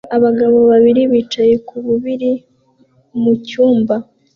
Abagabo babiri bicaye ku buriri mu cyumba